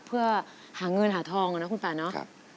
เพื่อหาเงินหาทองนะคุณป่าเนาะ